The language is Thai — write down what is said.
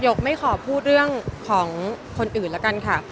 กไม่ขอพูดเรื่องของคนอื่นแล้วกันค่ะ